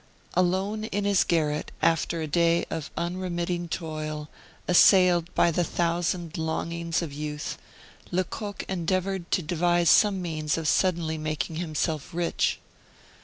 Alone in his garret, after a day of unremitting toil, assailed by the thousand longings of youth, Lecoq endeavored to devise some means of suddenly making himself rich.